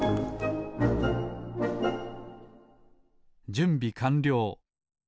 じゅんびかんりょう。